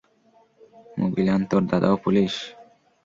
মুগিলান, তোর দাদাও পুলিশ?